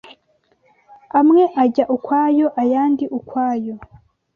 amwe ajya ukwayo, ayandi ukwayo